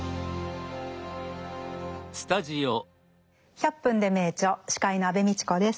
「１００分ｄｅ名著」司会の安部みちこです。